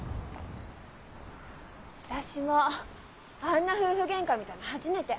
私もあんな夫婦ゲンカ見たの初めて。